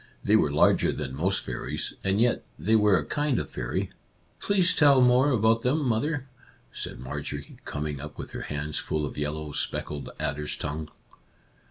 They were larger than most fairies, and yet they were a kind of fairy." " Please tell more about them, mother," said Marjorie, coming up with her hands full of yellow, speckled adder's tongue.